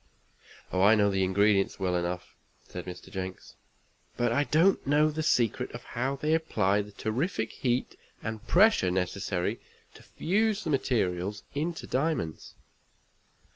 "Oh, I know the ingredients well enough," said Mr. Jenks, "but I don't know the secret of how they apply the terrific heat and pressure necessary to fuse the materials into diamonds."